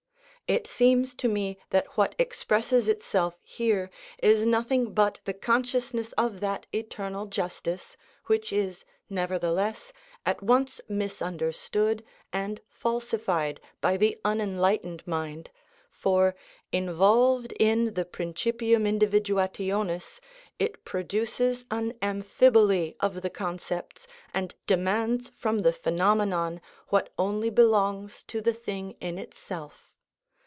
It seems to me that what expresses itself here is nothing but the consciousness of that eternal justice, which is, nevertheless, at once misunderstood and falsified by the unenlightened mind, for, involved in the principium individuationis, it produces an amphiboly of the concepts and demands from the phenomenon what only belongs to the thing in itself.